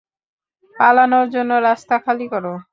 পালানোর জন্য রাস্তা খালি কর।